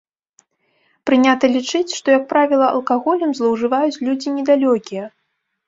Прынята лічыць, што, як правіла, алкаголем злоўжываюць людзі недалёкія.